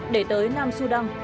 để tới nam sudan